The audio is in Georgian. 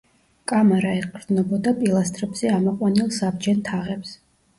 კამარა ეყრდნობოდა პილასტრებზე ამოყვანილ საბჯენ თაღებს.